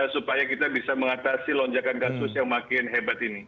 supaya kita bisa mengatasi lonjakan kasus yang makin hebat ini